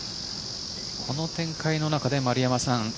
この展開の中で、丸山さん